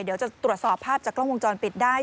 เดี๋ยวจะตรวจสอบภาพจากกล้องวงจรปิดได้